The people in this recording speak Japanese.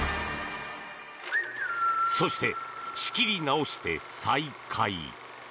そして、仕切り直して再開。